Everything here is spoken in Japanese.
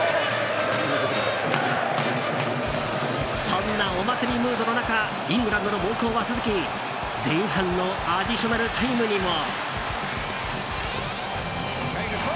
そんなお祭りムードの中イングランドの猛攻は続き前半のアディショナルタイムにも。